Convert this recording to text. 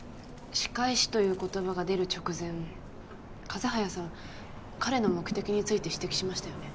仕返しという言葉が出る直前風早さん彼の目的について指摘しましたよね？